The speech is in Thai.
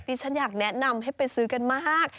ฉันอยากแนะนำให้ไปซื้อกันมาก